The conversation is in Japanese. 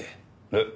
えっ？